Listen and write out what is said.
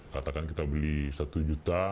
katakan kita beli satu juta